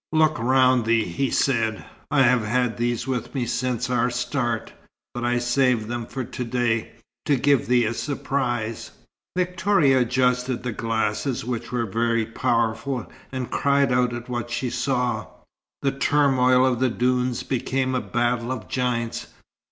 "Look round thee," he said. "I have had these with me since our start, but I saved them for to day, to give thee a surprise." Victoria adjusted the glasses, which were very powerful, and cried out at what she saw. The turmoil of the dunes became a battle of giants.